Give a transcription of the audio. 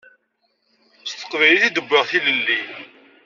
S teqbaylit i d-wwiɣ tilelli.